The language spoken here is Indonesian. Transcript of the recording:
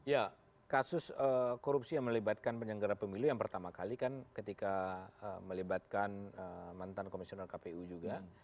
ya kasus korupsi yang melibatkan penyelenggara pemilu yang pertama kali kan ketika melibatkan mantan komisioner kpu juga